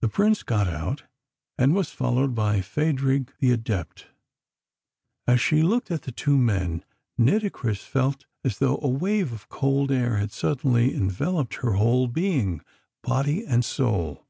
The Prince got out, and was followed by Phadrig the Adept. As she looked at the two men, Nitocris felt as though a wave of cold air had suddenly enveloped her whole being body and soul.